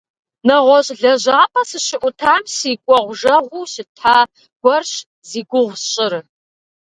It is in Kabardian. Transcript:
Нэгъуэщӏ лэжьапӏэ сыщыӏутам си кӏуэгъужэгъуу щыта гуэрщ зи гугъу сщӏыр.